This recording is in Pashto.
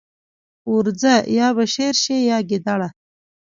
ورځه! يا به شېر شې يا ګيدړه.